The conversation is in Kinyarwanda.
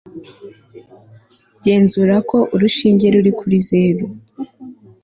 genzura ko urushinge ruri kuri zero